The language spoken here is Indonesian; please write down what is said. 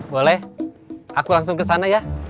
boleh aku langsung ke sana ya